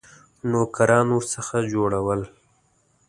نوکران ورڅخه جوړول.